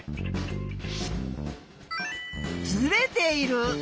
ずれている。